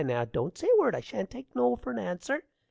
Now, don't say a word: I shan't take no for an answer.